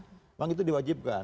memang itu diwajibkan